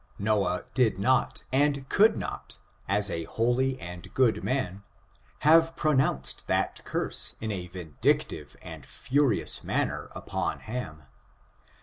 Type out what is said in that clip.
Noah did not and could not, as a holy and good man, have pronounced that curse in a vindictive and furious manner upon Ham.